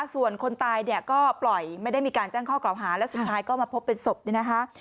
ส่วนคนตายเนี่ยก็ปล่อยไม่ได้มีการแจ้งข้อกล่าวหาแล้วสุดท้ายก็มาพบเป็นศพเนี่ยนะคะ